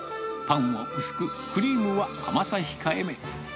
パンを薄く、クリームは甘さ控えめ。